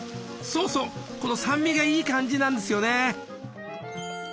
そうそうこの酸味がいい感じなんですよね。